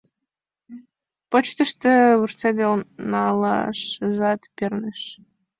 Почтышто вурседыл налашыжат перныш.